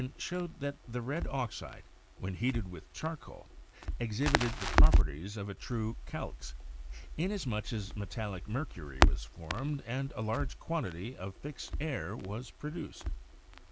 showed that the red oxide, when heated with charcoal, exhibited the properties of a true "calx," inasmuch as metallic mercury was formed and a large quantity of "fixed air" was produced.